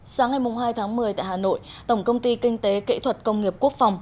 sáng ngày hai tháng một mươi tại hà nội tổng công ty kinh tế kỹ thuật công nghiệp quốc phòng